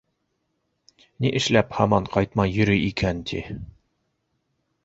Ни эшләп һаман ҡайтмай йөрөй икән, ти.